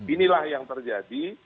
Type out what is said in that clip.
inilah yang terjadi